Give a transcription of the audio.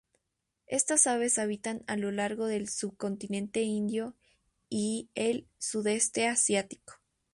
Estas aves habitan a lo largo del subcontinente indio y el sudeste asiático.